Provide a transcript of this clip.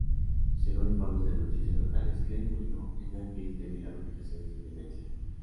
Según informes de noticias locales, Klein murió en Memphis debido a complicaciones de demencia.